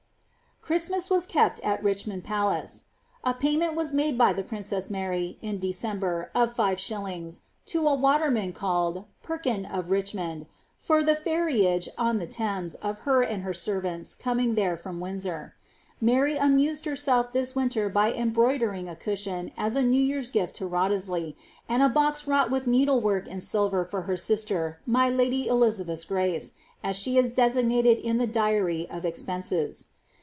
Christmas was kept at Richmond Palace.' A payment was made by the princess Mary, in December, of 5<., to a waterman, called ^Peifcm of Riciimond," for the ferriage on the Thames of her and her serrantt coming there from Windsor. Mary amused herself this winter by em broidering a cushion as a New year^s gift to Wriothesley, and a bos wrought with needlework in silver for her sister, ^ my lady Elizabeth^ grace,'' as she is designated in the diary of expenses.